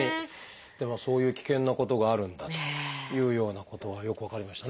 でもそういう危険なことがあるんだというようなことがよく分かりましたね。